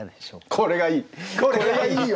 これがいいよ！